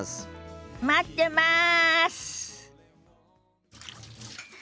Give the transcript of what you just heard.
待ってます！